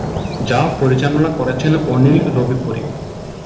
যা পরিচালনা করছেন অনিল রবিপুড়ি।